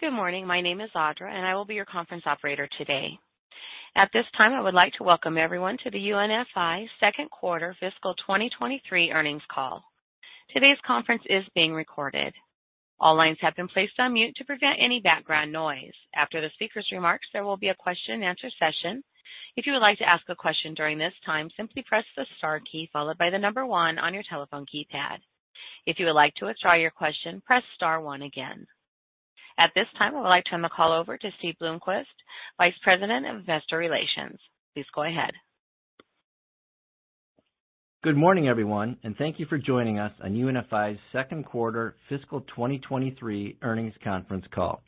Good morning. My name is Audra. I will be your conference operator today. At this time, I would like to welcome everyone to the UNFI second-quarter fiscal 2023 earnings call. Today's conference is being recorded. All lines have been placed on mute to prevent any background noise. After the speaker's remarks, there will be a question-and-answer session. If you would like to ask a question during this time, simply press the star key followed by the one on your telephone keypad. If you would like to withdraw your question, press star one again. At this time, I would like to turn the call over to Steve Bloomquist, Vice President of Investor Relations. Please go ahead. Good morning, everyone, and thank you for joining us on UNFI's second quarter fiscal 2023 earnings conference call.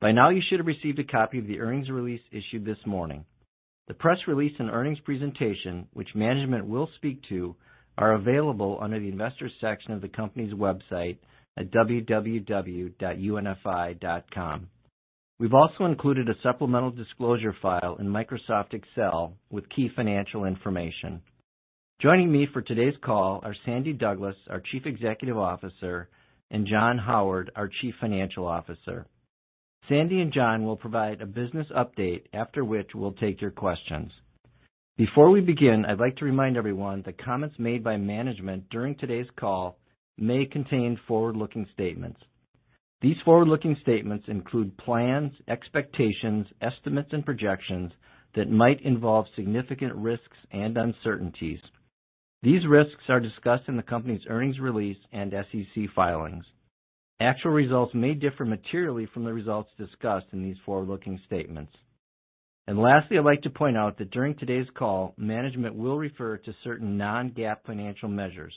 By now, you should have received a copy of the earnings release issued this morning. The press release and earnings presentation, which management will speak to, are available under the Investors section of the company's website at www.unfi.com. We've also included a supplemental disclosure file in Microsoft Excel with key financial information. Joining me for today's call are Sandy Douglas, our Chief Executive Officer, and John Howard, our Chief Financial Officer. Sandy and John will provide a business update, after which we'll take your questions. Before we begin, I'd like to remind everyone that comments made by management during today's call may contain forward-looking statements. These forward-looking statements include plans, expectations, estimates, and projections that might involve significant risks and uncertainties. These risks are discussed in the company's earnings release and SEC filings. Actual results may differ materially from the results discussed in these forward-looking statements. Lastly, I'd like to point out that during today's call, management will refer to certain non-GAAP financial measures.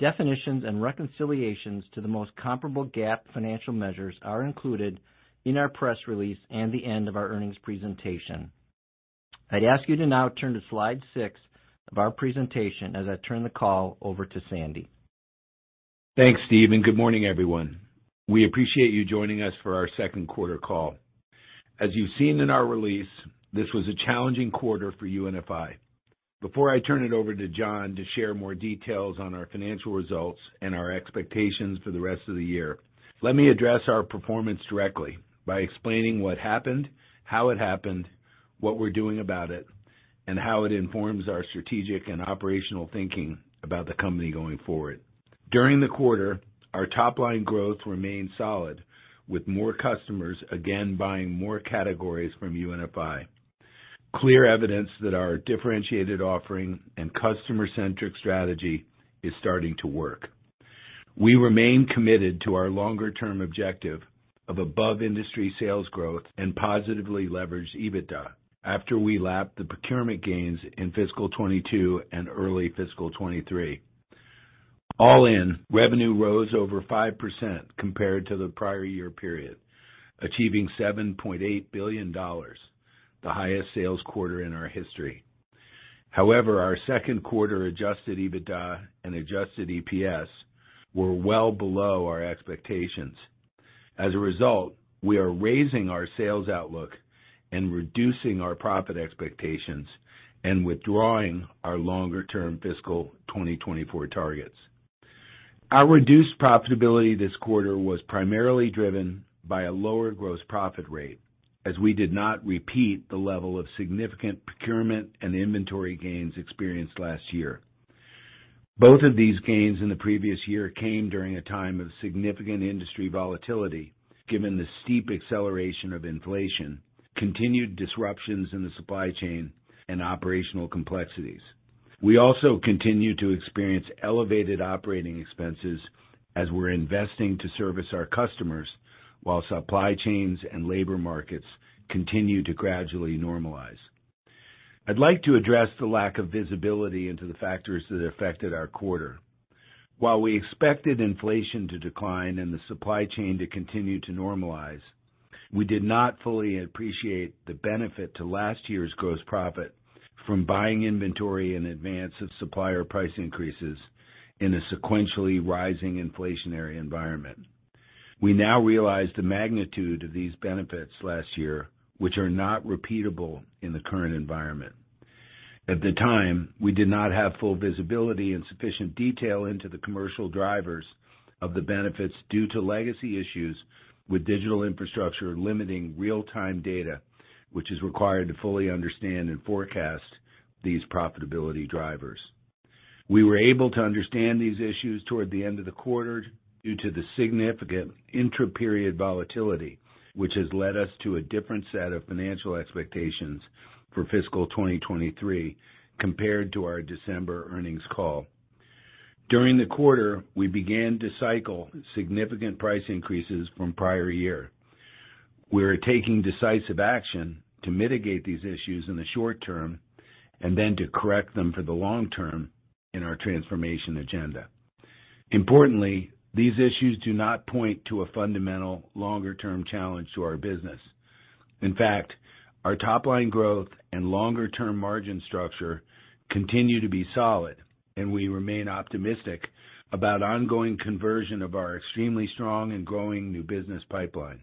Definitions and reconciliations to the most comparable GAAP financial measures are included in our press release and at the end of our earnings presentation. I'd ask you to now turn to slide 6 of our presentation as I turn the call over to Sandy. Thanks, Steve. Good morning, everyone. We appreciate you joining us for our second quarter call. As you've seen in our release, this was a challenging quarter for UNFI. Before I turn it over to John to share more details on our financial results and our expectations for the rest of the year, let me address our performance directly by explaining what happened, how it happened, what we're doing about it, and how it informs our strategic and operational thinking about the company going forward. During the quarter, our top-line growth remained solid, with more customers again buying more categories from UNFI. Clear evidence that our differentiated offering and customer-centric strategy is starting to work. We remain committed to our longer-term objective of above-industry sales growth and positively leveraged EBITDA after we lap the procurement gains in fiscal 2022 and early fiscal 2023. All in, revenue rose over 5% compared to the prior year period, achieving $7.8 billion, the highest sales quarter in our history. Our second quarter Adjusted EBITDA and Adjusted EPS were well below our expectations. We are raising our sales outlook and reducing our profit expectations and withdrawing our longer-term fiscal 2024 targets. Our reduced profitability this quarter was primarily driven by a lower gross profit rate as we did not repeat the level of significant procurement and inventory gains experienced last year. Both of these gains in the previous year came during a time of significant industry volatility, given the steep acceleration of inflation, continued disruptions in the supply chain, and operational complexities. We also continue to experience elevated operating expenses as we're investing to service our customers while supply chains and labor markets continue to gradually normalize. I'd like to address the lack of visibility into the factors that affected our quarter. While we expected inflation to decline and the supply chain to continue to normalize, we did not fully appreciate the benefit to last year's gross profit from buying inventory in advance of supplier price increases in a sequentially rising inflationary environment. We now realize the magnitude of these benefits last year, which are not repeatable in the current environment. At the time, we did not have full visibility and sufficient detail into the commercial drivers of the benefits due to legacy issues with digital infrastructure limiting real-time data, which is required to fully understand and forecast these profitability drivers. We were able to understand these issues toward the end of the quarter due to the significant intra-period volatility, which has led us to a different set of financial expectations for fiscal 2023 compared to our December earnings call. During the quarter, we began to cycle significant price increases from prior year. We are taking decisive action to mitigate these issues in the short term and then to correct them for the long term in our transformation agenda. These issues do not point to a fundamental longer-term challenge to our business. Our top-line growth and longer-term margin structure continue to be solid, and we remain optimistic about ongoing conversion of our extremely strong and growing new business pipeline.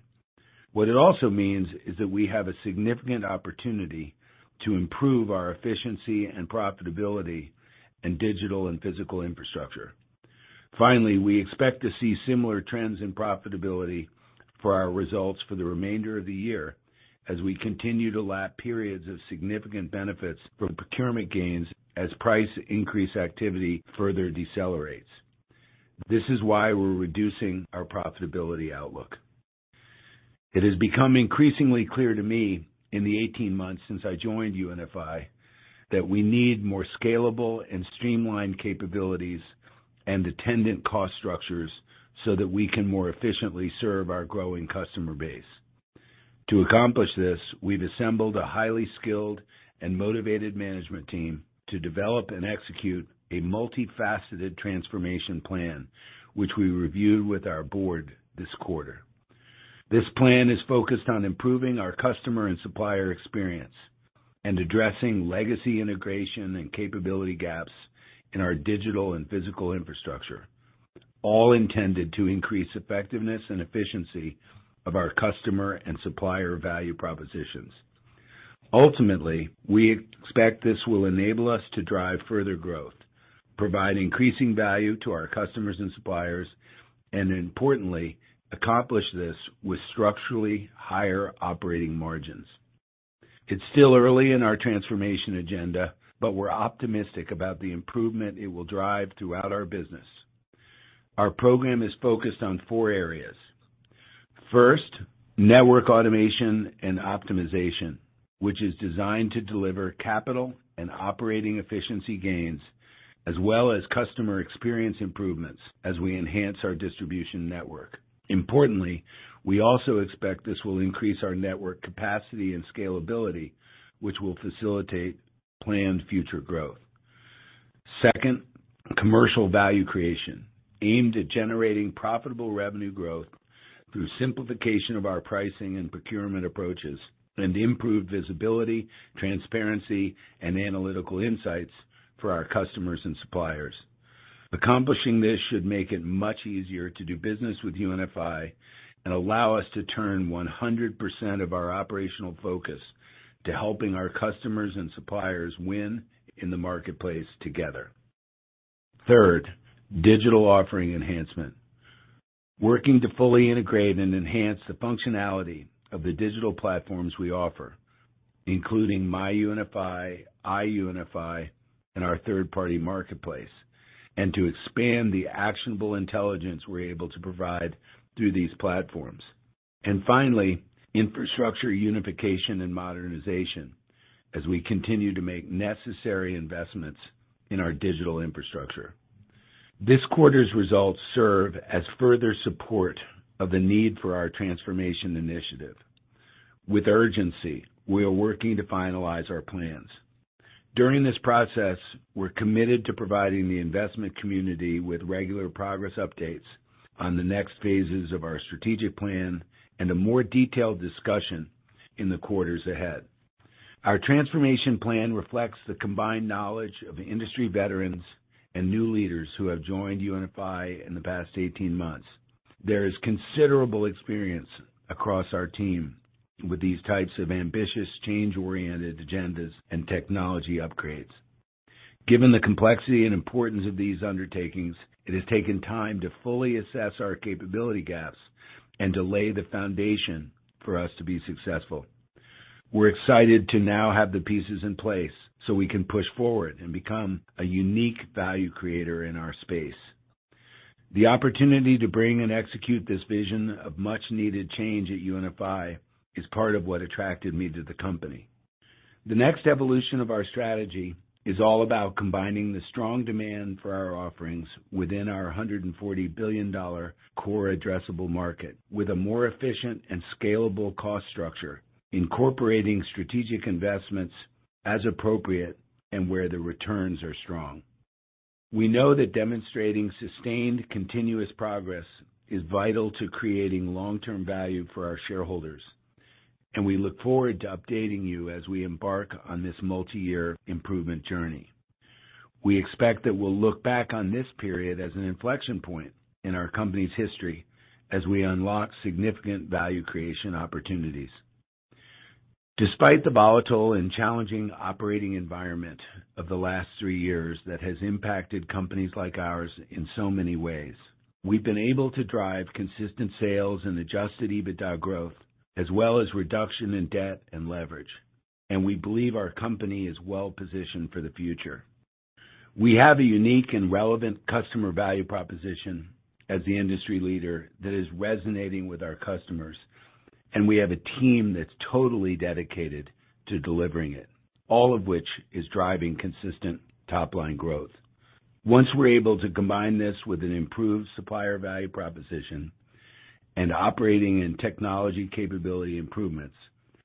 What it also means is that we have a significant opportunity to improve our efficiency and profitability in digital and physical infrastructure. Finally, we expect to see similar trends in profitability for our results for the remainder of the year as we continue to lap periods of significant benefits from procurement gains as price increase activity further decelerates. This is why we're reducing our profitability outlook. It has become increasingly clear to me in the 18 months since I joined UNFI that we need more scalable and streamlined capabilities and attendant cost structures so that we can more efficiently serve our growing customer base. To accomplish this, we've assembled a highly skilled and motivated management team to develop and execute a multifaceted transformation plan, which we reviewed with our board this quarter. This plan is focused on improving our customer and supplier experience and addressing legacy integration and capability gaps in our digital and physical infrastructure, all intended to increase effectiveness and efficiency of our customer and supplier value propositions. Ultimately, we expect this will enable us to drive further growth, provide increasing value to our customers and suppliers, and, importantly, accomplish this with structurally higher operating margins. It's still early in our transformation agenda, but we're optimistic about the improvement it will drive throughout our business. Our program is focused on four areas. First, network automation and optimization, which is designed to deliver capital and operating efficiency gains as well as customer experience improvements as we enhance our distribution network. Importantly, we also expect this will increase our network capacity and scalability, which will facilitate planned future growth. Second, commercial value creation, aimed at generating profitable revenue growth through simplification of our pricing and procurement approaches and improved visibility, transparency, and analytical insights for our customers and suppliers. Accomplishing this should make it much easier to do business with UNFI and allow us to turn 100% of our operational focus to helping our customers and suppliers win in the marketplace together. Third, digital offering enhancement. Working to fully integrate and enhance the functionality of the digital platforms we offer, including myUNFI, iUNFI, and our third-party marketplace, and to expand the actionable intelligence we're able to provide through these platforms. Finally, infrastructure unification and modernization as we continue to make necessary investments in our digital infrastructure. This quarter's results serve as further support of the need for our transformation initiative. With urgency, we are working to finalize our plans. During this process, we're committed to providing the investment community with regular progress updates on the next phases of our strategic plan and a more detailed discussion in the quarters ahead. Our transformation plan reflects the combined knowledge of industry veterans and new leaders who have joined UNFI in the past 18 months. There is considerable experience across our team with these types of ambitious, change-oriented agendas and technology upgrades. Given the complexity and importance of these undertakings, it has taken time to fully assess our capability gaps and to lay the foundation for us to be successful. We're excited to now have the pieces in place so we can push forward and become a unique value creator in our space. The opportunity to bring and execute this vision of much-needed change at UNFI is part of what attracted me to the company. The next evolution of our strategy is all about combining the strong demand for our offerings within our $140 billion core addressable market with a more efficient and scalable cost structure, incorporating strategic investments as appropriate and where the returns are strong. We know that demonstrating sustained continuous progress is vital to creating long-term value for our shareholders, and we look forward to updating you as we embark on this multiyear improvement journey. We expect that we'll look back on this period as an inflection point in our company's history as we unlock significant value creation opportunities. Despite the volatile and challenging operating environment of the last three years that has impacted companies like ours in so many ways, we've been able to drive consistent sales and Adjusted EBITDA growth as well as a reduction in debt and leverage. We believe our company is well-positioned for the future. We have a unique and relevant customer value proposition as the industry leader that is resonating with our customers. We have a team that's totally dedicated to delivering it, all of which is driving consistent top-line growth. Once we're able to combine this with an improved supplier value proposition and operating and technology capability improvements,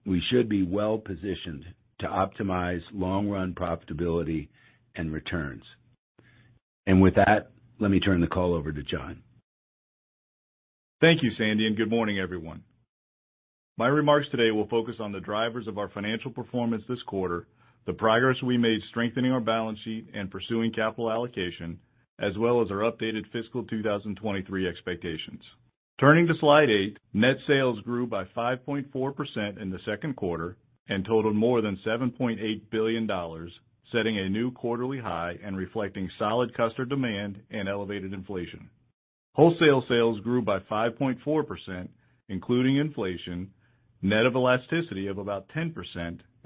we should be well-positioned to optimize long-run profitability and returns. With that, let me turn the call over to John. Thank you, Sandy, and good morning, everyone. My remarks today will focus on the drivers of our financial performance this quarter, the progress we made in strengthening our balance sheet, and pursuing capital allocation. As well as our updated fiscal 2023 expectations. Turning to slide eight, net sales grew by 5.4% in the second quarter and totaled more than $7.8 billion, setting a new quarterly high and reflecting solid customer demand and elevated inflation. Wholesale sales grew by 5.4%, including inflation, net of elasticity of about 10%,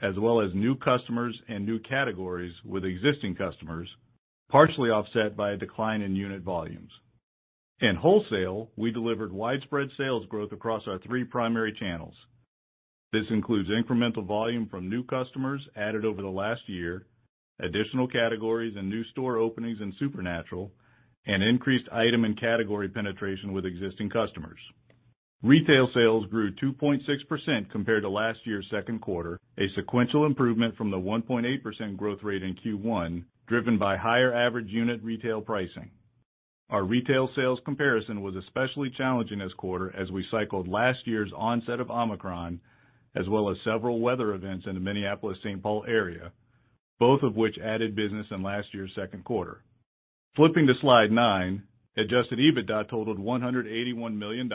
as well as new customers and new categories with existing customers, partially offset by a decline in unit volumes. In wholesale, we delivered widespread sales growth across our three primary channels. This includes incremental volume from new customers added over the last year, additional categories, and new store openings in Supernatural, and increased item and category penetration with existing customers. Retail sales grew 2.6% compared to last year's second quarter, a sequential improvement from the 1.8% growth rate in Q1, driven by higher average unit retail pricing. Our retail sales comparison was especially challenging this quarter as we cycled last year's onset of Omicron, as well as several weather events in the Minneapolis-Saint Paul area, both of which added business in last year's second quarter. Flipping to slide nine, Adjusted EBITDA totaled $181 million,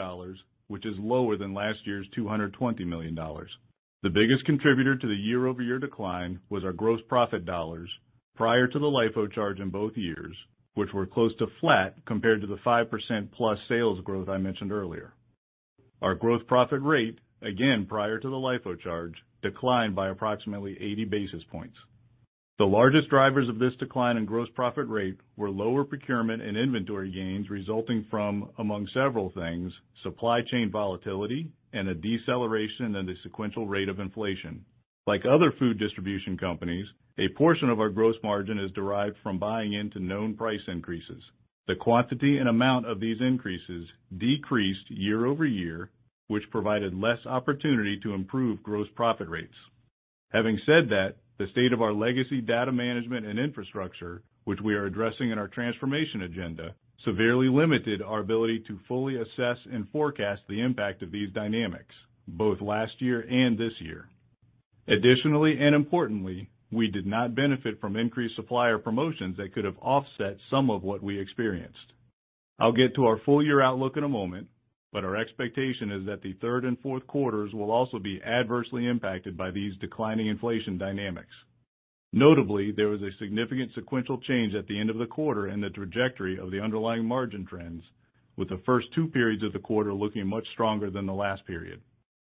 which is lower than last year's $220 million. The biggest contributor to the year-over-year decline was our gross profit dollars prior to the LIFO charge in both years, which were close to flat compared to the 5% plus sales growth I mentioned earlier. Our gross profit rate, again prior to the LIFO charge, declined by approximately 80 basis points. The largest drivers of this decline in gross profit rate were lower procurement and inventory gains resulting from, among several things, supply chain volatility and a deceleration in the sequential rate of inflation. Like other food distribution companies, a portion of our gross margin is derived from buying into known price increases. The quantity and amount of these increases decreased year-over-year, which provided less opportunity to improve gross profit rates. Having said that, the state of our legacy data management and infrastructure, which we are addressing in our transformation agenda, severely limited our ability to fully assess and forecast the impact of these dynamics, both last year and this year. Additionally, and importantly, we did not benefit from increased supplier promotions that could have offset some of what we experienced. I'll get to our full year outlook in a moment, but our expectation is that the third and fourth quarters will also be adversely impacted by these declining inflation dynamics. Notably, there was a significant sequential change at the end of the quarter and the trajectory of the underlying margin trends, with the first two periods of the quarter looking much stronger than the last period.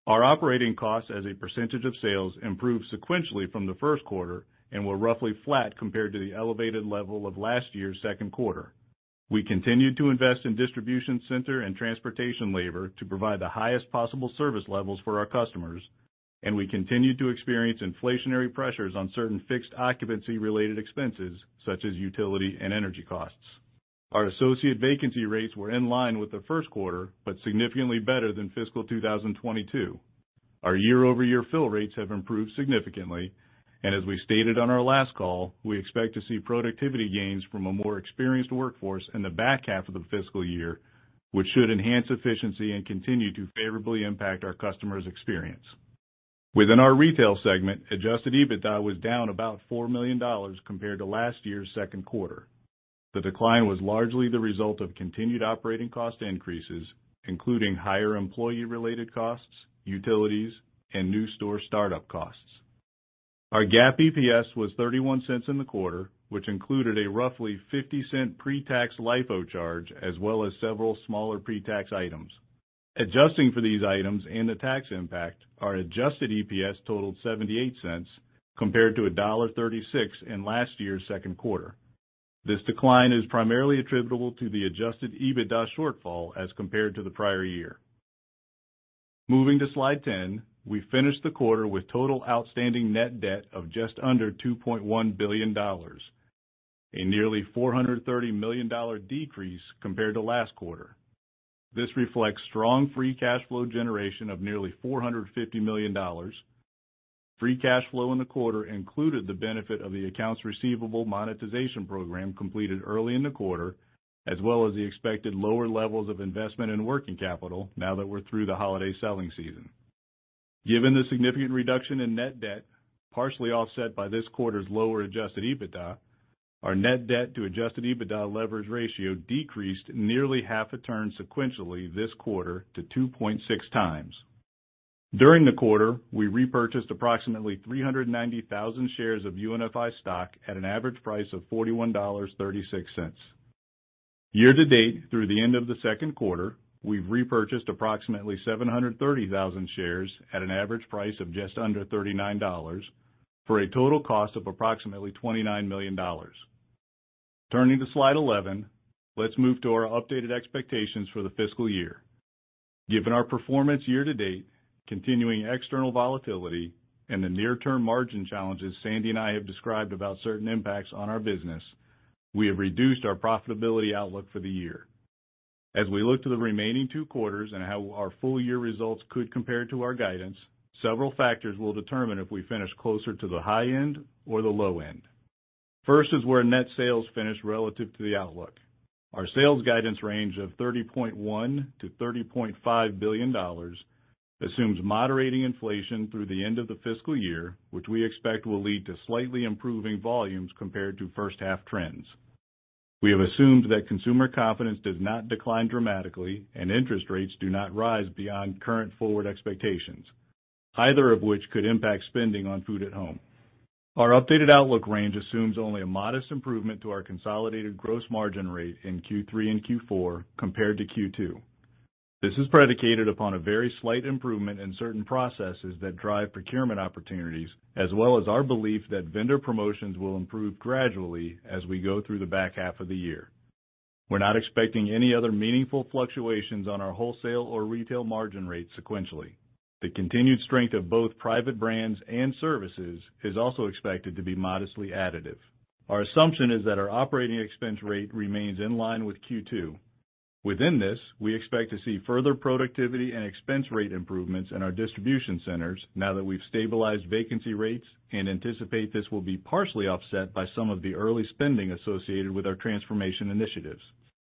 Our operating costs as a percentage of sales improved sequentially from the first quarter and were roughly flat compared to the elevated level of last year's second quarter. We continued to invest in distribution centers and transportation labor to provide the highest possible service levels for our customers, and we continued to experience inflationary pressures on certain fixed occupancy-related expenses such as utility and energy costs. Our associate vacancy rates were in line with the first quarter, but significantly better than fiscal 2022. Our year-over-year fill rates have improved significantly. As we stated on our last call, we expect to see productivity gains from a more experienced workforce in the back half of the fiscal year, which should enhance efficiency and continue to favorably impact our customers' experience. Within our retail segment, Adjusted EBITDA was down about $4 million compared to last year's second quarter. The decline was largely the result of continued operating cost increases, including higher employee-related costs, utilities, and new store startup costs. Our GAAP EPS was $0.31 in the quarter, which included a roughly $0.50 pre-tax LIFO charge, as well as several smaller pre-tax items. Adjusting for these items and the tax impact, our Adjusted EPS totaled $0.78 compared to $1.36 in last year's second quarter. This decline is primarily attributable to the Adjusted EBITDA shortfall as compared to the prior year. Moving to Slide 10, we finished the quarter with total outstanding net debt of just under $2.1 billion, a nearly $430 million decrease compared to last quarter. This reflects strong free cash flow generation of nearly $450 million. Free cash flow in the quarter included the benefit of the accounts receivable monetization program completed early in the quarter, as well as the expected lower levels of investment in working capital now that we're through the holiday selling season. Given the significant reduction in net debt, partially offset by this quarter's lower Adjusted EBITDA, our net debt to Adjusted EBITDA leverage ratio decreased nearly half a turn sequentially this quarter to 2.6x. During the quarter, we repurchased approximately 390,000 shares of UNFI stock at an average price of $41.36. Year to date through the end of the second quarter, we've repurchased approximately 730,000 shares at an average price of just under $39, for a total cost of approximately $29 million. Turning to slide 11, let's move to our updated expectations for the fiscal year. Given our performance year to date, continuing external volatility, and the near term margin challenges Sandy and I have described about certain impacts on our business, we have reduced our profitability outlook for the year. As we look to the remaining two quarters and how our full year results could compare to our guidance, several factors will determine if we finish closer to the high end or the low end. First is where net sales finish relative to the outlook. Our sales guidance range of $30.1 billion-$30.5 billion assumes moderating inflation through the end of the fiscal year, which we expect will lead to slightly improving volumes compared to first half trends. We have assumed that consumer confidence does not decline dramatically and interest rates do not rise beyond current forward expectations, either of which could impact spending on food at home. Our updated outlook range assumes only a modest improvement to our consolidated gross margin rate in Q3 and Q4 compared to Q2. This is predicated upon a very slight improvement in certain processes that drive procurement opportunities, as well as our belief that vendor promotions will improve gradually as we go through the back half of the year. We're not expecting any other meaningful fluctuations on our wholesale or retail margin rate sequentially. The continued strength of both private brands and services is also expected to be modestly additive. Our assumption is that our operating expense rate remains in line with Q2. Within this, we expect to see further productivity and expense rate improvements in our distribution centers now that we've stabilized vacancy rates and anticipate this will be partially offset by some of the early spending associated with our transformation initiatives.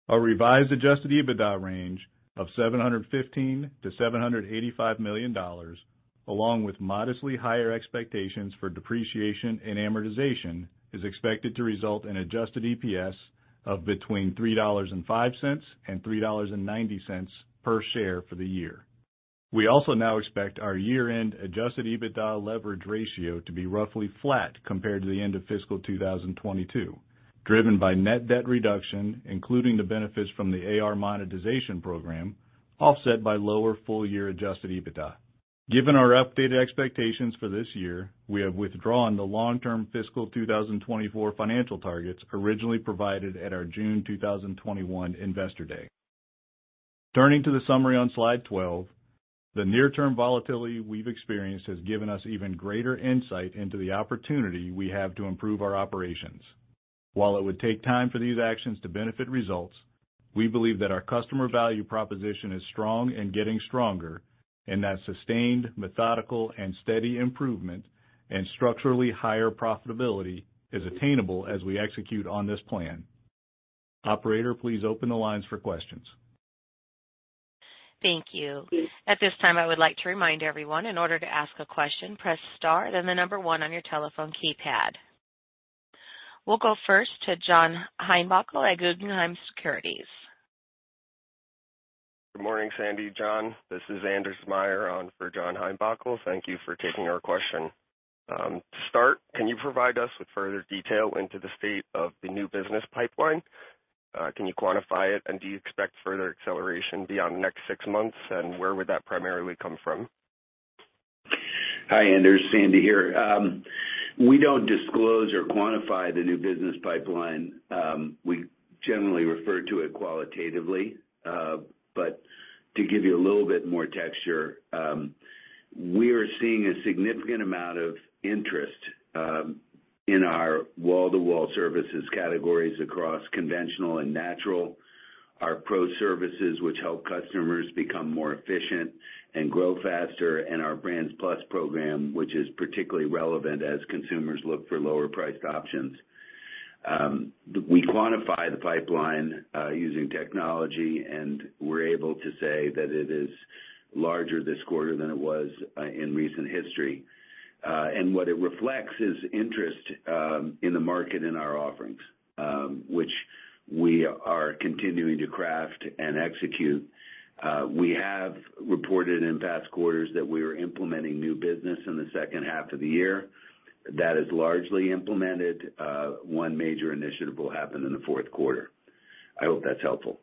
Our revised Adjusted EBITDA range of $715 million-$785 million, along with modestly higher expectations for depreciation and amortization, is expected to result in Adjusted EPS of between $3.05 and $3.90 per share for the year. We also now expect our year-end Adjusted EBITDA leverage ratio to be roughly flat compared to the end of fiscal 2022, driven by net debt reduction, including the benefits from the AR monetization program, offset by lower full-year Adjusted EBITDA. Given our updated expectations for this year, we have withdrawn the long-term fiscal 2024 financial targets originally provided at our June 2021 Investor Day. Turning to the summary on slide 12, the near-term volatility we've experienced has given us even greater insight into the opportunity we have to improve our operations. While it would take time for these actions to benefit results, we believe that our customer value proposition is strong and getting stronger, and that sustained, methodical, and steady improvement and structurally higher profitability is attainable as we execute on this plan. Operator, please open the lines for questions. Thank you. At this time, I would like to remind everyone, in order to ask a question, press star then the number one on your telephone keypad. We'll go first to John Heinbockel at Guggenheim Securities. Good morning, Sandy, John. This is Anders Meyer on for John Heinbockel. Thank you for taking our question. To start, can you provide us with further detail into the state of the new business pipeline? Can you quantify it and do you expect further acceleration beyond the next six months? Where would that primarily come from? Hi, Anders, Sandy here. We don't disclose or quantify the new business pipeline. We generally refer to it qualitatively. To give you a little bit more texture, we are seeing a significant amount of interest in our wall-to-wall services categories across conventional and natural, our Professional Services, which help customers become more efficient and grow faster, and our Brands Plus program, which is particularly relevant as consumers look for lower-priced options. We quantify the pipeline, using technology, and we're able to say that it is larger this quarter than it was in recent history. What it reflects is interest in the market and our offerings, which we are continuing to craft and execute. We have reported in past quarters that we are implementing new business in the second half of the year. That is largely implemented. One major initiative will happen in the fourth quarter. I hope that's helpful.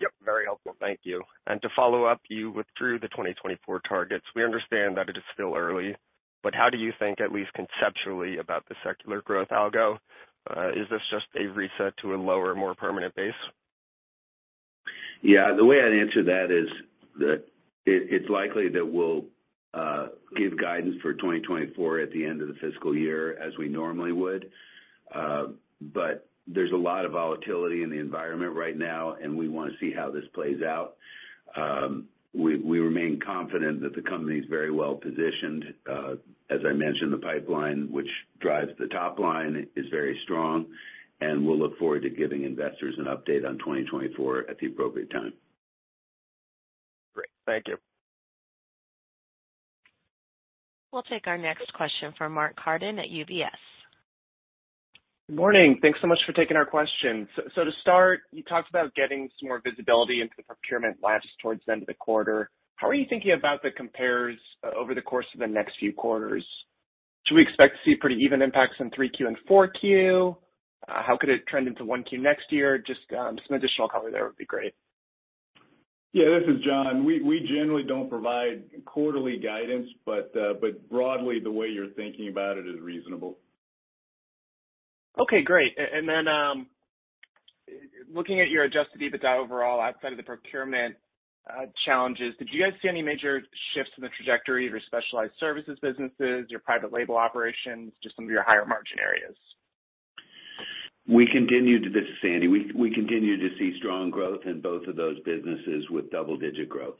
Yep, very helpful. Thank you. To follow up, you withdrew the 2024 targets. We understand that it is still early, how do you think, at least conceptually, about the secular growth algo? Is this just a reset to a lower, more permanent base? Yeah, the way I'd answer that is that it's likely that we'll give guidance for 2024 at the end of the fiscal year as we normally would. There's a lot of volatility in the environment right now, we wanna see how this plays out. We remain confident that the company is very well-positioned. As I mentioned, the pipeline, which drives the top line is very strong, we'll look forward to giving investors an update on 2024 at the appropriate time. Great. Thank you. We'll take our next question from Mark Carden at UBS. Good morning. Thanks so much for taking our question. To start, you talked about getting some more visibility into the procurement lashes towards the end of the quarter. How are you thinking about the compares over the course of the next few quarters? Should we expect to see pretty even impacts in 3Q and 4Q? How could it trend into 1Q next year? Just some additional color there would be great. Yeah, this is John. We generally don't provide quarterly guidance, but broadly, the way you're thinking about it is reasonable. Okay, great. Looking at your Adjusted EBITDA overall outside of the procurement challenges, did you guys see any major shifts in the trajectory of your specialized services businesses, your private label operations, just some of your higher margin areas? This is Sandy. We continue to see strong growth in both of those businesses with double-digit growth.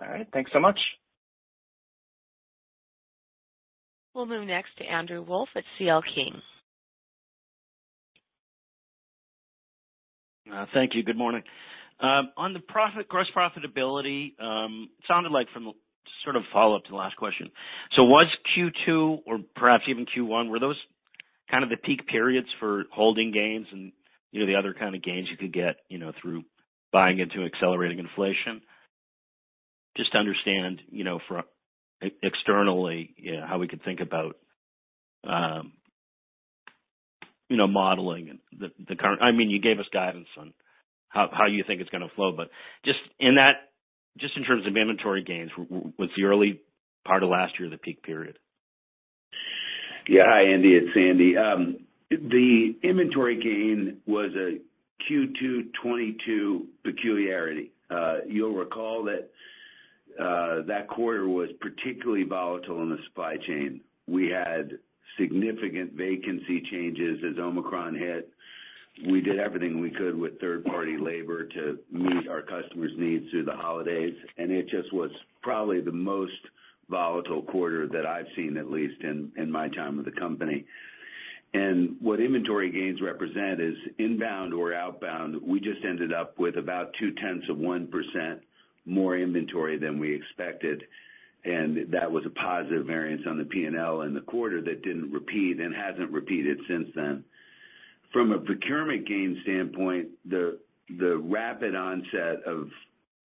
All right. Thanks so much. We'll move next to Andrew Wolf at C.L. King. Thank you. Good morning. On the gross profitability, sounded like from a sort of follow-up to the last question. Was Q2 or perhaps even Q1, were those kinds of peak periods for holding gains and, you know, the other kind of gains you could get, you know, through buying into accelerating inflation? Just to understand, you know, for externally, you know, how we could think about, you know, modeling and the current... I mean, you gave us guidance on how you think it's gonna flow, but just in terms of inventory gains, was the early part of last year, the peak period? Yeah. Hi, Andy. It's Sandy. The inventory gain was a Q2 2022 peculiarity. You'll recall that quarter was particularly volatile in the supply chain. We had significant vacancy changes as Omicron hit. We did everything we could with third-party labor to meet our customers' needs through the holidays, and it just was probably the most volatile quarter that I've seen, at least in my time with the company. What inventory gains represent is inbound or outbound. We just ended up with about 0.2% more inventory than we expected, and that was a positive variance on the P&L in the quarter that didn't repeat and hasn't repeated since then. From a procurement gain standpoint, the rapid onset of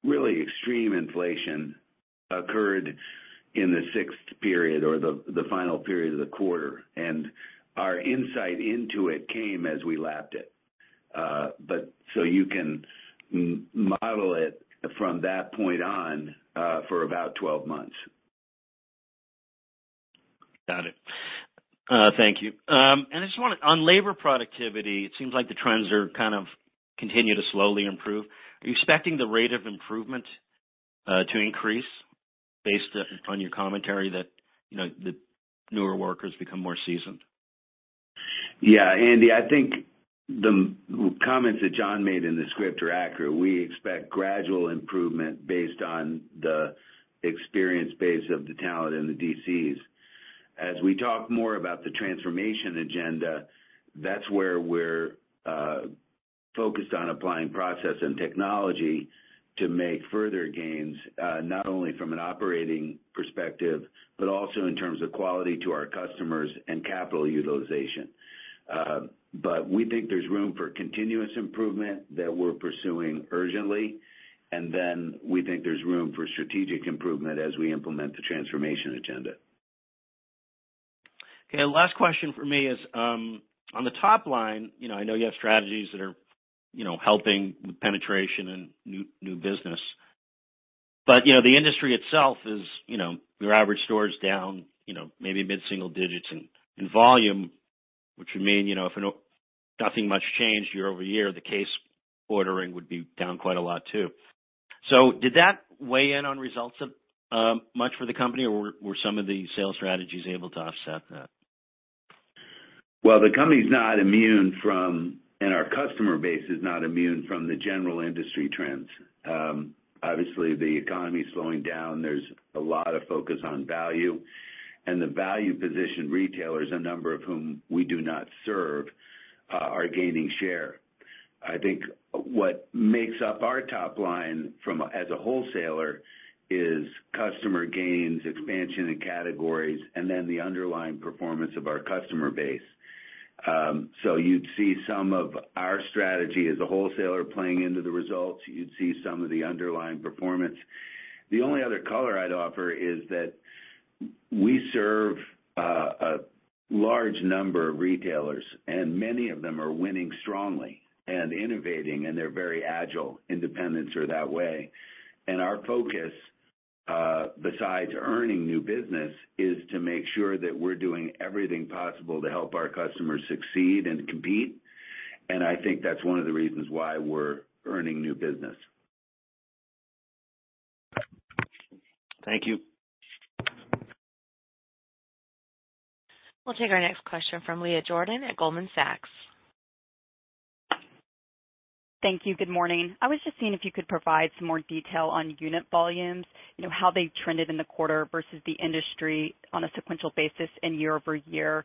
really extreme inflation occurred in the sixth period or the final period of the quarter, and our insight into it came as we lapped it. You can model it from that point on, for about 12 months. Got it. thank you. I just wanna on labor productivity, it seems like the trends are kind of continue to slowly improve. Are you expecting the rate of improvement to increase based on your commentary that, you know, the newer workers become more seasoned? Yeah, Andy, I think the comments that John made in the script are accurate. We expect gradual improvement based on the experience base of the talent in the DCs. As we talk more about the transformation agenda, that's where we're focused on applying process and technology to make further gains, not only from an operating perspective, but also in terms of quality to our customers and capital utilization. We think there's room for continuous improvement that we're pursuing urgently, and then we think there's room for strategic improvement as we implement the transformation agenda. Last question for me is, on the top line, you know, I know you have strategies that are, you know, helping with penetration and new business. You know, the industry itself is, you know, your average store is down, you know, maybe mid-single-digits in volume, which would mean, you know, if nothing much changed year-over-year, the case ordering would be down quite a lot too. Did that weigh in on results much for the company, or were some of the sales strategies able to offset that? Well, the company's not immune to, and our customer base is not immune to the general industry trends. Obviously, the economy is slowing down. There's a lot of focus on value. The value position retailers, a number of whom we do not serve, are gaining share. I think what makes up our top line as a wholesaler is customer gains, expansion in categories, and then the underlying performance of our customer base. You'd see some of our strategy as a wholesaler playing into the results. You'd see some of the underlying performance. The only other color I'd offer is that we serve, a large number of retailers, and many of them are winning strongly and innovating, and they're very agile. Independents are that way. Our focus, besides earning new business, is to make sure that we're doing everything possible to help our customers succeed and compete. I think that's one of the reasons why we're earning new business. Thank you. We'll take our next question from Leah Jordan at Goldman Sachs. Thank you. Good morning. I was just seeing if you could provide some more detail on unit volumes, you know, how they trended in the quarter versus the industry on a sequential basis and year-over-year.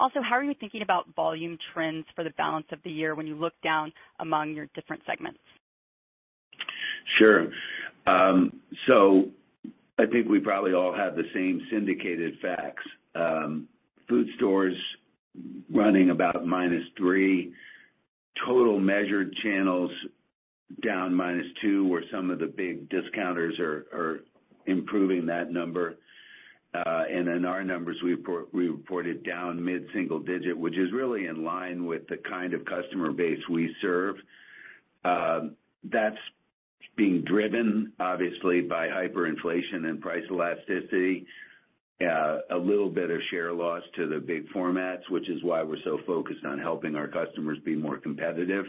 Also, how are you thinking about volume trends for the balance of the year when you look down among your different segments? Sure. I think we probably all have the same syndicated facts. Food stores are running about minus three. Total measured channels down minus two, where some of the big discounters are improving that number. In our numbers, we reported down mid-single-digits, which is really in line with the kind of customer base we serve. That's being driven obviously by hyperinflation and price elasticity, a little bit of share loss to the big formats, which is why we're so focused on helping our customers be more competitive.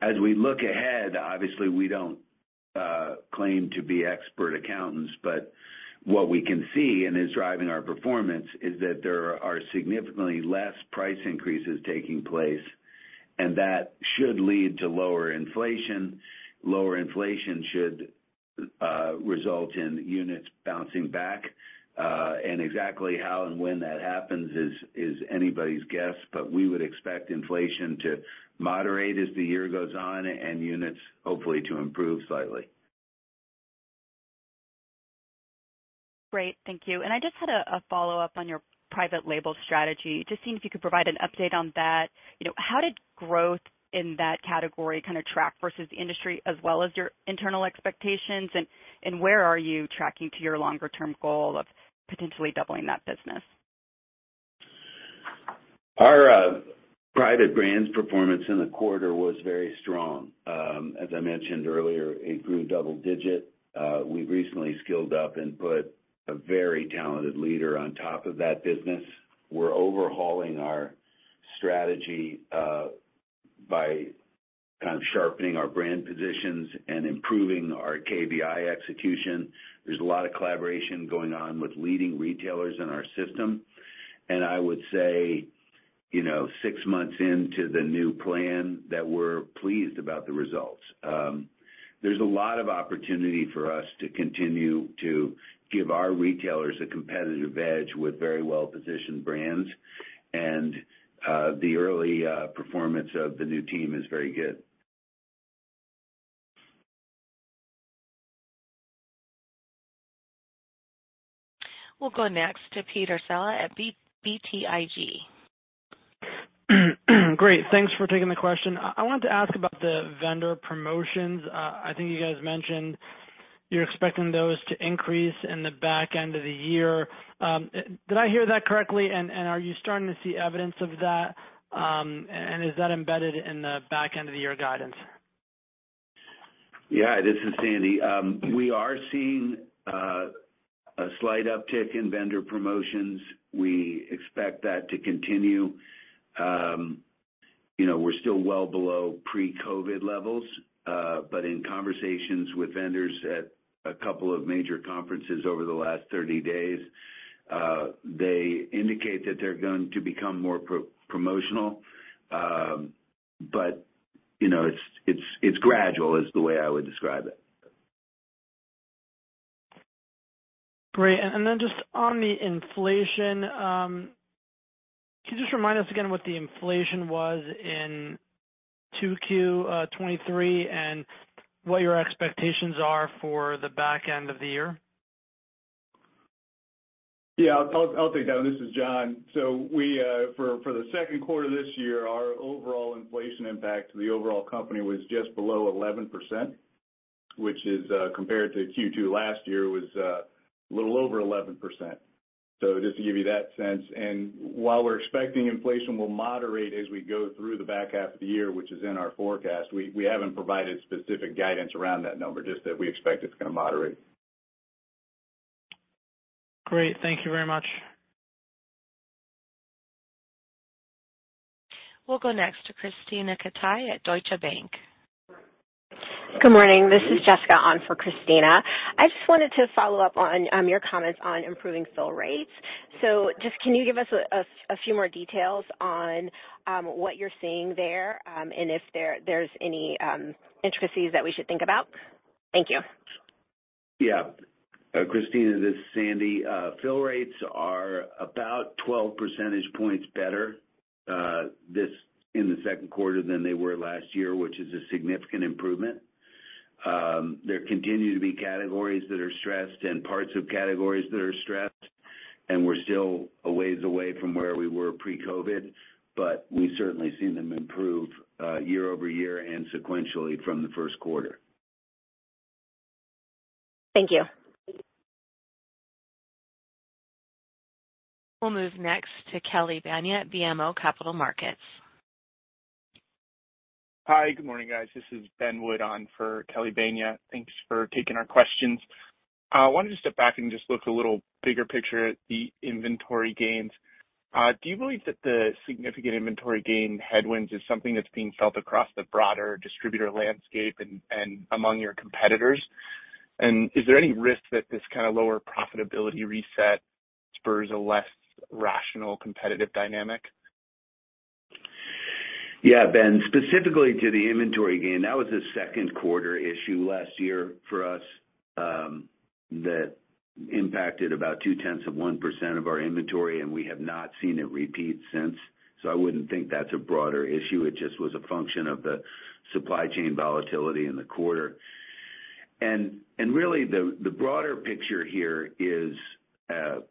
As we look ahead, obviously, we don't claim to be expert accountants, but what we can see and is driving our performance is that there are significantly less price increases taking place, and that should lead to lower inflation. Lower inflation should result in units bouncing back. Exactly how and when that happens is anybody's guess, but we would expect inflation to moderate as the year goes on and units hopefully to improve slightly. Great. Thank you. I just had a follow-up on your private label strategy. Just seeing if you could provide an update on that. You know, how did growth in that category kind of track versus industry as well as your internal expectations? Where are you tracking to your longer-term goal of potentially doubling that business? Our private brands' performance in the quarter was very strong. As I mentioned earlier, it grew double-digit. We've recently skilled up and put a very talented leader on top of that business. We're overhauling our strategy by kind of sharpening our brand positions and improving our KVI execution. There's a lot of collaboration going on with leading retailers in our system. I would say, you know, six months into the new plan, that we're pleased about the results. There's a lot of opportunity for us to continue to give our retailers a competitive edge with very well-positioned brands. The early performance of the new team is very good. We'll go next to Peter Saleh at BTIG. Great. Thanks for taking the question. I wanted to ask about the vendor promotions. I think you guys mentioned you're expecting those to increase in the back end of the year. Did I hear that correctly? Are you starting to see evidence of that? Is that embedded in the back end of the year guidance? Yeah, this is Sandy. We are seeing, a slight uptick in vendor promotions. We expect that to continue. you know, we're still well below pre-COVID levels, but in conversations with vendors at a couple of major conferences over the last 30 days, they indicate that they're going to become more pro-promotional. you know, it's gradual is the way I would describe it. Great. Just on the inflation, could you just remind us again what the inflation was in 2Q 2023 and what your expectations are for the back end of the year? Yeah. I'll take that one. This is John. We for the second quarter this year, our overall inflation impact to the overall company was just below 11%, which is compared to Q2 last year, was little over 11%. Just to give you that sense. While we're expecting inflation will moderate as we go through the back half of the year, which is in our forecast, we haven't provided specific guidance around that number, just that we expect it's gonna moderate. Great. Thank you very much. We'll go next to Krisztina Katai at Deutsche Bank. Good morning. This is Jessica on for Krisztina. I just wanted to follow up on your comments on improving fill rates. Just, can you give us a few more details on what you're seeing there, and if there's any intricacies that we should think about? Thank you. Yeah. Krisztina, this is Sandy. Fill rates are about 12 percentage points better in the second quarter than they were last year, which is a significant improvement. There continue to be categories that are stressed and parts of categories that are stressed, and we're still a ways away from where we were pre-COVID, but we've certainly seen them improve year-over-year and sequentially from the first quarter. Thank you. We'll move next to Kelly Bania at BMO Capital Markets. Hi, good morning, guys. This is Ben Wood on for Kelly Bania. Thanks for taking our questions. I wanted to step back and just look a little bigger picture at the inventory gains. Do you believe that the significant inventory gain headwinds is something that's being felt across the broader distributor landscape and among your competitors? Is there any risk that this kinda lower profitability reset spurs a less rational competitive dynamic? Yeah, Ben. Specifically, to the inventory gain, that was a second quarter issue last year for us, that impacted about 0.2% of our inventory. We have not seen it repeat since. I wouldn't think that's a broader issue. It just was a function of the supply chain volatility in the quarter. Really the broader picture here is a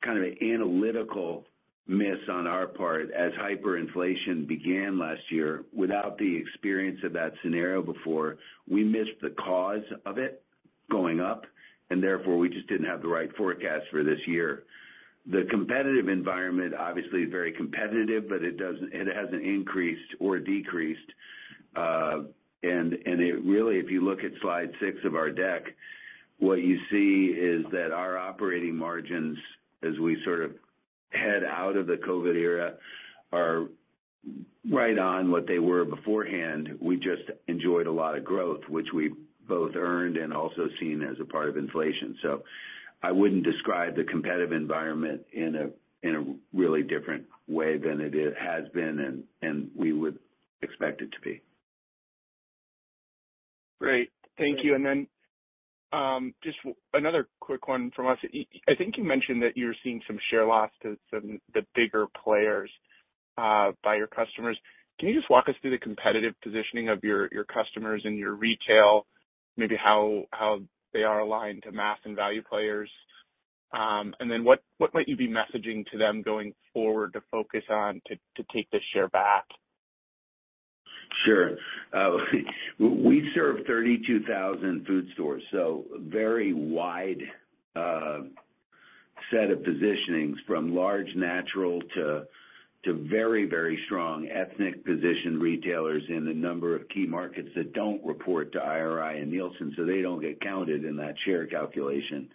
kind of analytical miss on our part as hyperinflation began last year. Without the experience of that scenario before, we missed the cause of it going up, and therefore, we just didn't have the right forecast for this year. The competitive environment obviously is very competitive, but it hasn't increased or decreased. It really, if you look at slide six of our deck, what you see is that our operating margins, as we sort of head out of the COVID era, are right on what they were beforehand. We just enjoyed a lot of growth, which we both earned and also seen as a part of inflation. I wouldn't describe the competitive environment in a really different way than it has been and we would expect it to be. Great. Thank you. Just another quick one from us. I think you mentioned that you're seeing some share loss to some of the bigger players by your customers. Can you just walk us through the competitive positioning of your customers and your retail, maybe how they are aligned to mass and value players? What might you be messaging to them going forward to focus on to take this share back? Sure. We serve 32,000 food stores. Very wide set of positionings from large natural to very, very strong ethnic-positioned retailers in a number of key markets that don't report to IRI and Nielsen. They don't get counted in that share calculation.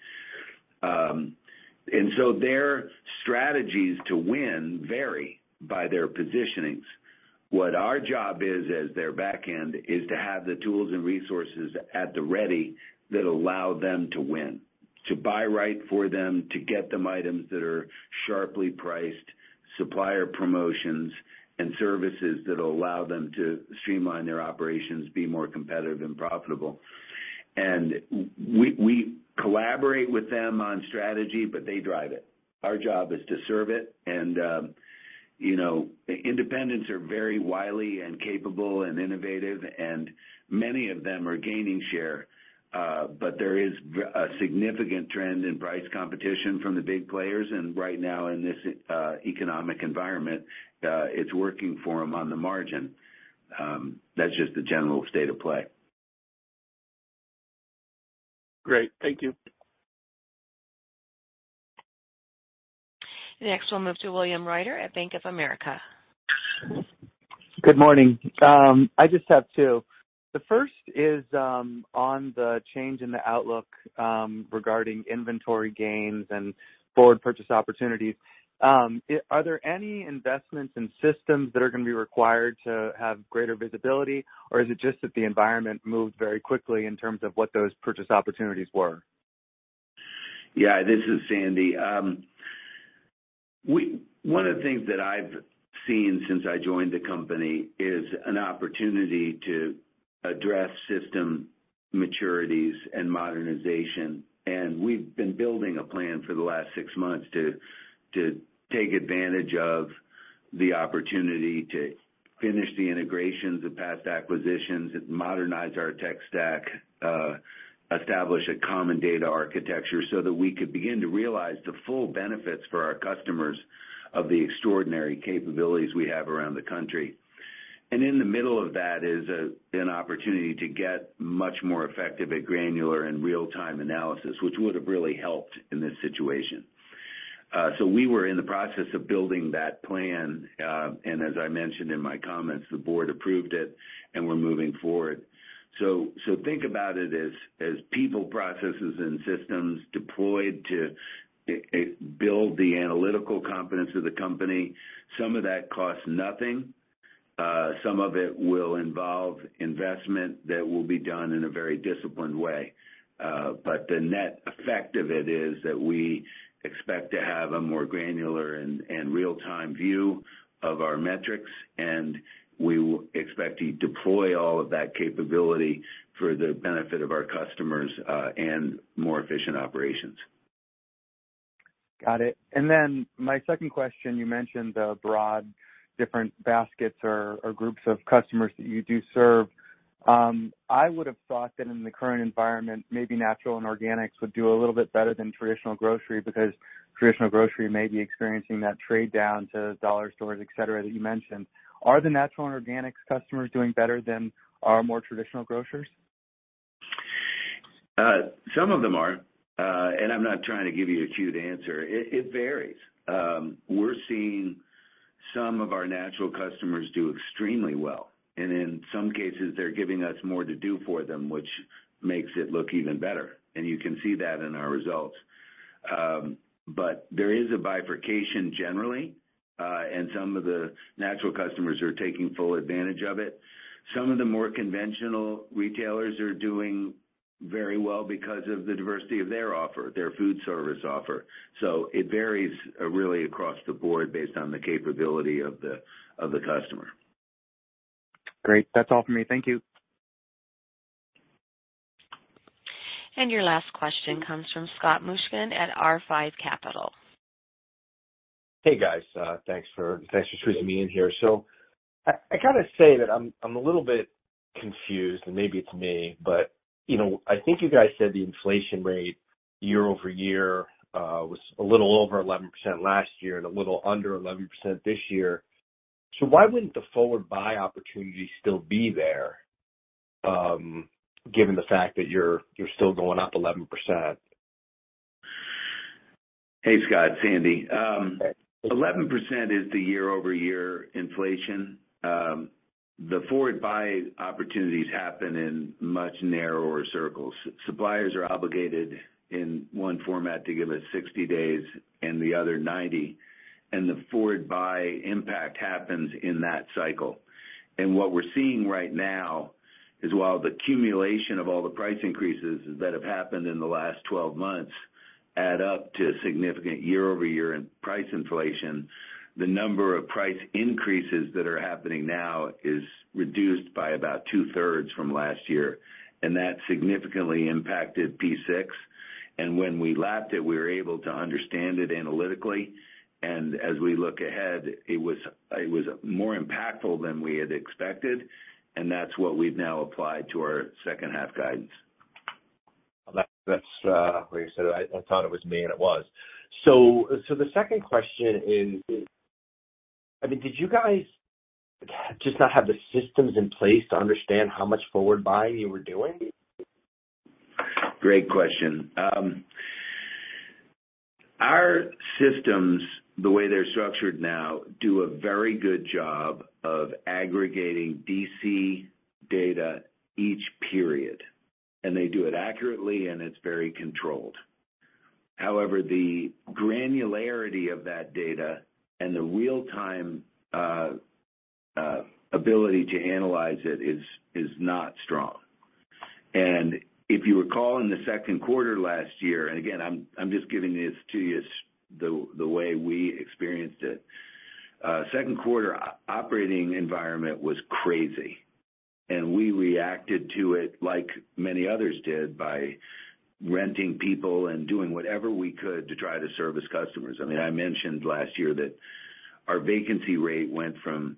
Their strategies to win vary by their positioning. What our job is as their back end is to have the tools and resources at the ready that allow them to win. To buy right for them, to get them items that are sharply priced, supplier promotions, and services that allow them to streamline their operations, be more competitive and profitable. We collaborate with them on strategy, but they drive it. Our job is to serve it and, you know, independents are very wily and capable and innovative, and many of them are gaining share, but there is a significant trend in price competition from the big players. Right now, in this, economic environment, it's working for them on the margin. That's just the general state of play. Great. Thank you. We'll move to William Reuter at Bank of America. Good morning. I just have two. The first is on the change in the outlook, regarding inventory gains and forward purchase opportunities. Are there any investments in systems that are gonna be required to have greater visibility, or is it just that the environment moved very quickly in terms of what those purchase opportunities were? Yeah, this is Sandy. One of the things that I've seen since I joined the company is an opportunity to address system maturities and modernization. We've been building a plan for the last six months to take advantage of the opportunity to finish the integrations of past acquisitions and modernize our tech stack, establish a common data architecture so that we could begin to realize the full benefits for our customers of the extraordinary capabilities we have around the country. In the middle of that is an opportunity to get much more effective at granular and real-time analysis, which would have really helped in this situation. We were in the process of building that plan, as I mentioned in my comments, the board approved it, and we're moving forward. Think about it as people, processes, and systems deployed to build the analytical competence of the company. Some of that costs nothing. Some of it will involve investment that will be done in a very disciplined way. The net effect of it is that we expect to have a more granular and real-time view of our metrics, and we expect to deploy all of that capability for the benefit of our customers, and more efficient operations. Got it. My second question, you mentioned the broad different baskets or groups of customers that you do serve. I would have thought that in the current environment, maybe natural and organics would do a little bit better than traditional grocery because traditional grocery may be experiencing that trade down to dollar stores, et cetera, that you mentioned. Are the natural and organics customers doing better than our more traditional grocers? Some of them are. I'm not trying to give you a cute answer. It varies. We're seeing some of our natural customers do extremely well, and in some cases, they're giving us more to do for them, which makes it look even better. You can see that in our results. There is a bifurcation generally, and some of the natural customers are taking full advantage of it. Some of the more conventional retailers are doing very well because of the diversity of their offer, their food service offer. It varies, really across the board based on the capability of the customer. Great. That's all for me. Thank you. Your last question comes from Scott Mushkin at R5 Capital. Hey, guys. Thanks for squeezing me in here. I gotta say that I'm a little bit confused, and maybe it's me, but, you know, I think you guys said the inflation rate year-over-year was a little over 11% last year and a little under 11% this year. Why wouldn't the forward buy opportunity still be there, given the fact that you're still going up 11%? Hey, Scott. Sandy. 11% is the year-over-year inflation. The forward buy opportunities happen in much narrower circles. Suppliers are obligated in one format to give us 60 days, and the other 90, and the forward buy impact happens in that cycle. What we're seeing right now is while the accumulation of all the price increases that have happened in the last 12 months adds up to significant year-over-year in price inflation. The number of price increases that are happening now is reduced by about two-thirds from last year, and that significantly impacted P6. When we lapped it, we were able to understand it analytically. As we look ahead, it was more impactful than we had expected, and that's what we've now applied to our second-half guidance. That's, like I said, I thought it was me, and it was. The second question is, I mean, did you guys just not have the systems in place to understand how much forward buying you were doing? Great question. Our systems, the way they're structured now, do a very good job of aggregating DC data each period. They do it accurately, and it's very controlled. However, the granularity of that data and the real-time ability to analyze it is not strong. If you recall in the second quarter last year, and again, I'm just giving this to you the way we experienced it. Second quarter operating environment was crazy, and we reacted to it like many others did by renting people and doing whatever we could to try to service customers. I mean, I mentioned last year that our vacancy rate went from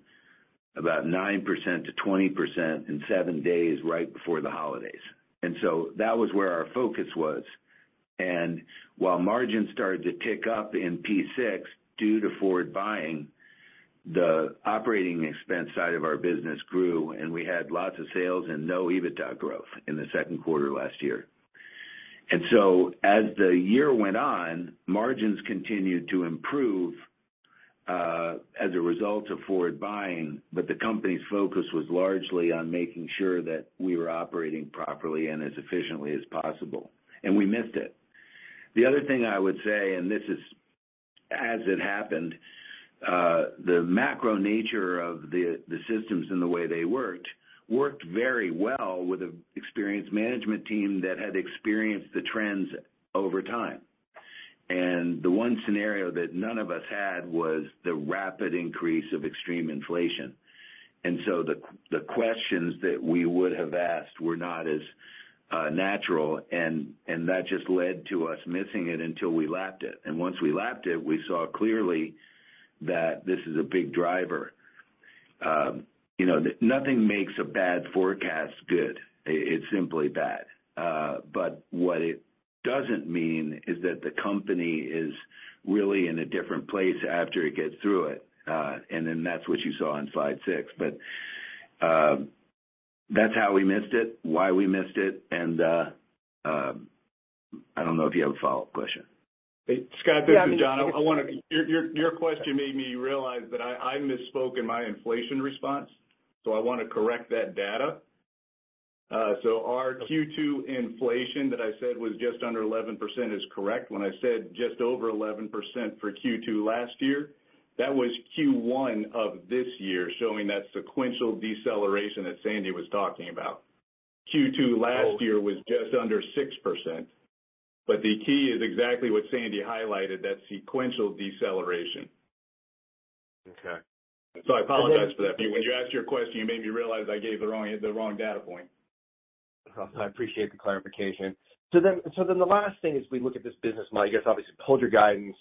about 9% to 20% in seven days right before the holidays. That was where our focus was. While margins started to tick up in P6 due to forward buying, the operating expense side of our business grew, and we had lots of sales and no EBITDA growth in the second quarter last year. As the year went on, margins continued to improve as a result of forward buying, but the company's focus was largely on making sure that we were operating properly and as efficiently as possible, and we missed it. The other thing I would say, and this is as it happened, the macro nature of the systems and the way they worked very well with the experienced management team that had experienced the trends over time. The one scenario that none of us had was the rapid increase of extreme inflation. The questions that we would have asked were not as natural, and that just led to us missing it until we lapped it. Once we lapped it, we saw clearly that this is a big driver. You know, nothing makes a bad forecast good. It's simply bad. What it doesn't mean is that the company is really in a different place after it gets through it. That's what you saw on slide six. That's how we missed it, why we missed it, and, I don't know if you have a follow-up question. Scott, this is John. I wanna Your question made me realize that I misspoke in my inflation response, so I wanna correct that data. Our Q2 inflation that I said was just under 11% is correct. When I said just over 11% for Q2 last year, that was Q1 of this year showing that sequential deceleration that Sandy was talking about. Q2 last year was just under 6%. The key is exactly what Sandy highlighted, that sequential deceleration. Okay. I apologize for that. When you asked your question, you made me realize I gave the wrong, the wrong data point. I appreciate the clarification. The last thing as we look at this business model, I guess, obviously, you pulled your guidance.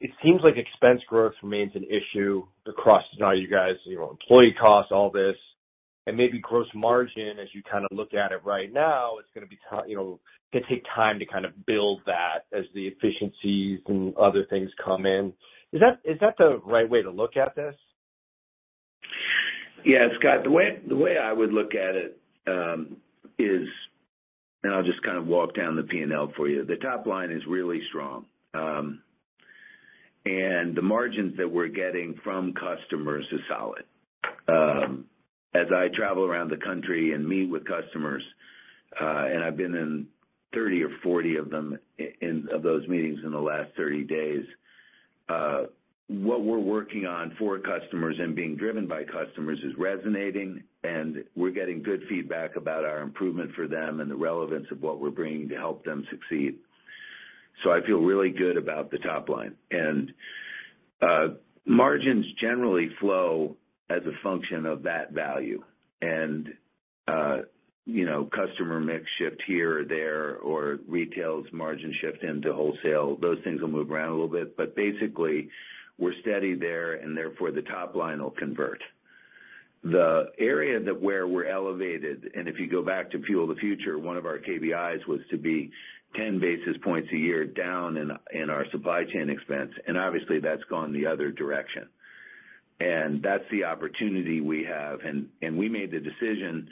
It seems like expense growth remains an issue across you guys, you know, employee costs, all this, and maybe gross margin as you kind of look at it right now, it's going to be, you know, can take time to kind of build that as the efficiencies and other things come in. Is that the right way to look at this? Yeah, Scott, the way I would look at it, I'll just kind of walk down the P&L for you. The top line is really strong. The margins that we're getting from customers is solid. As I travel around the country and meet with customers, I've been in 30 or 40 of them of those meetings in the last 30 days, what we're working on for customers and being driven by customers is resonating, and we're getting good feedback about our improvement for them and the relevance of what we're bringing to help them succeed. I feel really good about the top line. Margins generally flow as a function of that value. You know, customer mix shift here or there, or retails margin shift into wholesale, those things will move around a little bit. Basically, we're steady there, and therefore the top line will convert. The area that where we're elevated, and if you go back to Fuel the Future, one of our KBIs was to be 10 basis points a year down in our supply chain expense. Obviously, that's gone the other direction. That's the opportunity we have. we made the decision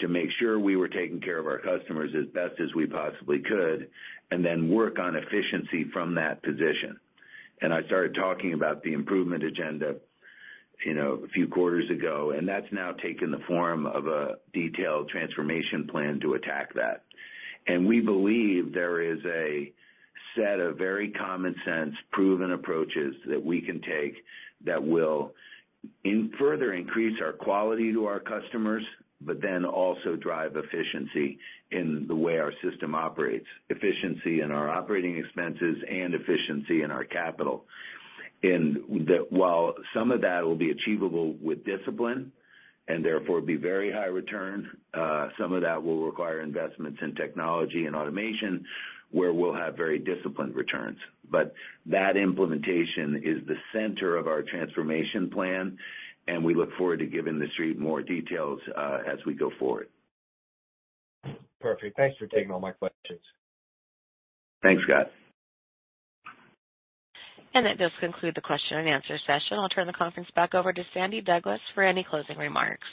to make sure we were taking care of our customers as best as we possibly could, and then work on efficiency from that position. I started talking about the improvement agenda, you know, a few quarters ago, and that's now taken the form of a detailed transformation plan to attack that. We believe there is set a very common-sense, proven approaches that we can take that will further increase our quality to our customers, but then also drive efficiency in the way our system operates. Efficiency in our operating expenses and efficiency in our capital. In that, while some of that will be achievable with discipline, and therefore be very high return, some of that will require investments in technology and automation, where we'll have very disciplined returns. That implementation is the center of our transformation plan, and we look forward to giving the Street more details as we go forward. Perfect. Thanks for taking all my questions. Thanks, Scott. That does conclude the question and answer session. I'll turn the conference back over to Sandy Douglas for any closing remarks.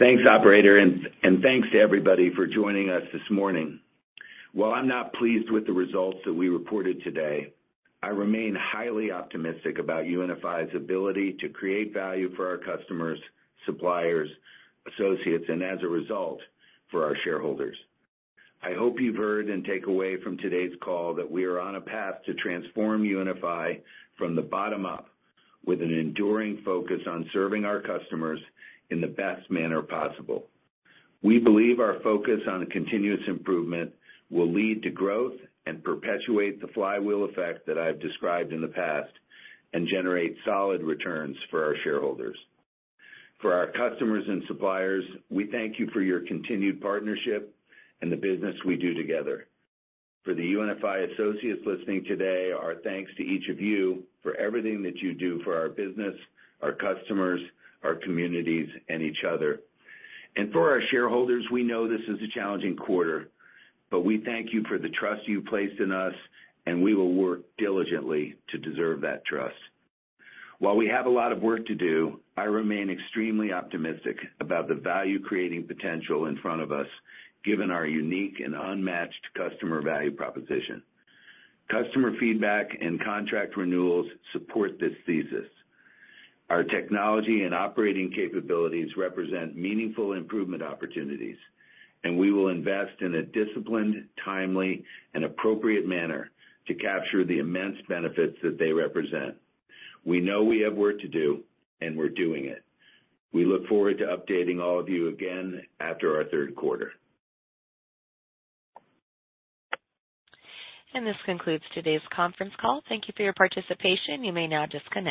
Thanks, operator, and thanks to everybody for joining us this morning. While I'm not pleased with the results that we reported today, I remain highly optimistic about UNFI's ability to create value for our customers, suppliers, associates, and as a result, for our shareholders. I hope you've heard and take away from today's call that we are on a path to transform UNFI from the bottom up with an enduring focus on serving our customers in the best manner possible. We believe our focus on continuous improvement will lead to growth and perpetuate the flywheel effect that I've described in the past and generate solid returns for our shareholders. For our customers and suppliers, we thank you for your continued partnership and the business we do together. For the UNFI associates listening today, our thanks to each of you for everything that you do for our business, our customers, our communities, and each other. For our shareholders, we know this is a challenging quarter, but we thank you for the trust you've placed in us, and we will work diligently to deserve that trust. While we have a lot of work to do, I remain extremely optimistic about the value-creating potential in front of us, given our unique and unmatched customer value proposition. Customer feedback and contract renewals support this thesis. Our technology and operating capabilities represent meaningful improvement opportunities, and we will invest in a disciplined, timely, and appropriate manner to capture the immense benefits that they represent. We know we have work to do, and we're doing it. We look forward to updating all of you again after our third quarter. This concludes today's conference call. Thank you for your participation. You may now disconnect.